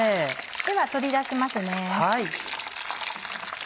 では取り出しますね。